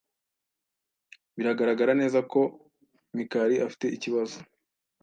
Biragaragara neza ko Mikali afite ikibazo.